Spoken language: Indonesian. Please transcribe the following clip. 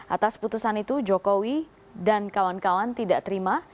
atas putusan itu jokowi dan kawan kawan tidak terima